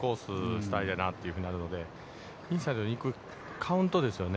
主体だなというふうになるので、インサイドに行くカウントですよね。